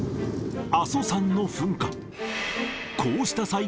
阿蘇山の噴火。